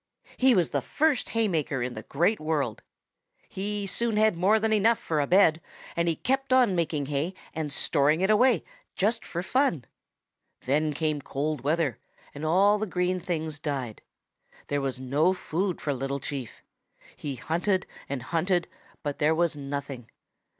He was the first hay maker in the Great World. He soon had more than enough for a bed, but he kept on making hay and storing it away just for fun. Then came cold weather and all the green things died. There was no food for Little Chief. He hunted and hunted, but there was nothing.